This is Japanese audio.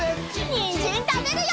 にんじんたべるよ！